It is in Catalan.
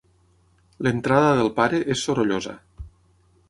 L'entrada del pare és sorollosa.